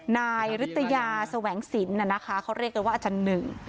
นายฤตยาแสวงศิลป์น่ะนะคะเขาเรียกกันว่าอาจารย์หนึ่ง